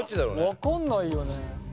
分かんないよね。